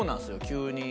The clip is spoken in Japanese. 急に。